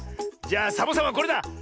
じゃあサボさんはこれだ。